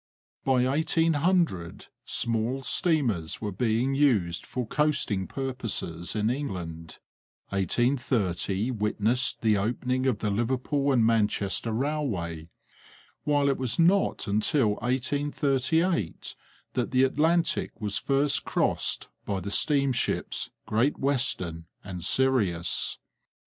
By 1800 small steamers were being used for coasting purposes in England; 1830 witnessed the opening of the Liverpool and Manchester Railway; while it was not until 1838 that the Atlantic was first crossed by the steamships Great Western and Sirius.